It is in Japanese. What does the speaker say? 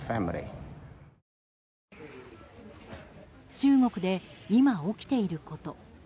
中国で今、起きていること。